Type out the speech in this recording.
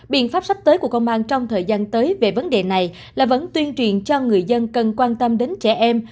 biện pháp sắp tới của công an trong thời gian tới về vấn đề này là vẫn tuyên truyền cho người dân cần quan tâm đến trẻ em